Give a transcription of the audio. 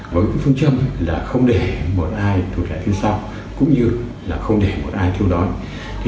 với phương châm là không để một ai thu trẻ thiếu sao cũng như là không để một ai thiếu đói